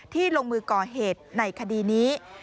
ลงมือก่อเหตุในคดีนี้